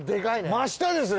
真下ですね